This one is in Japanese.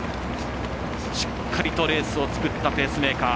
しっかりと、レースを作ったペースメーカー。